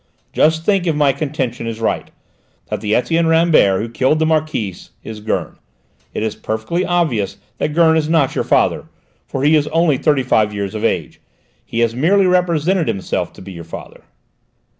Just think: if my contention is right that the Etienne Rambert who killed the Marquise is Gurn it is perfectly obvious that Gurn is not your father, for he is only thirty five years of age! He has merely represented himself to be your father."